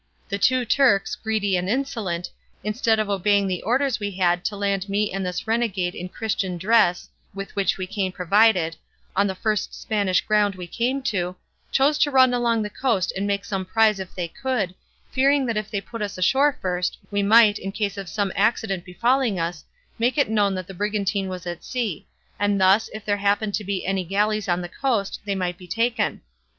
The two Turks, greedy and insolent, instead of obeying the orders we had to land me and this renegade in Christian dress (with which we came provided) on the first Spanish ground we came to, chose to run along the coast and make some prize if they could, fearing that if they put us ashore first, we might, in case of some accident befalling us, make it known that the brigantine was at sea, and thus, if there happened to be any galleys on the coast, they might be taken.